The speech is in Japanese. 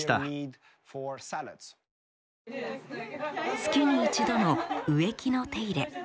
月に一度の植木の手入れ。